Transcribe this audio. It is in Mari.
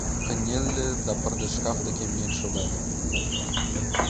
Кынеле да пырдыж шкаф деке миен шогале.